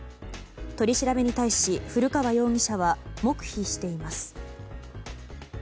取り調べに対し古川容疑者は黙秘しています。